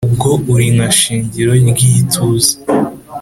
Ubwo uri nka shingiro ry’ituze.